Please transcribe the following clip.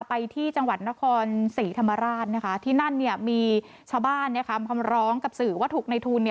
ไปที่จังหวัดนครศรีธรรมราชที่นั่นมีชาวบ้านคำร้องกับสื่อว่าถูกในทุน